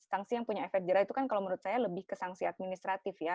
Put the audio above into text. sanksi yang punya efek jerah itu kan kalau menurut saya lebih ke sanksi administratif ya